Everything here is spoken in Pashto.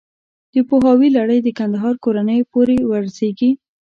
د پوهاوي لړۍ د کندهار کورنیو پورې ورسېږي.